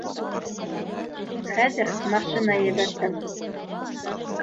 Хәҙер машина ебәртәм